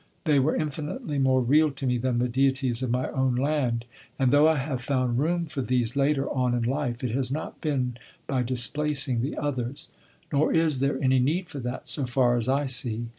They were infinitely more real to me than the deities of my own land; and though I have found room for these later on in life, it has not been by displacing the others. Nor is there any need for that, so far as I see.